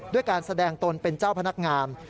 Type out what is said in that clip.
ด้วยการแสดงตนเป็นเจ้าพนักงาน